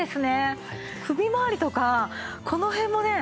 首まわりとかこの辺もね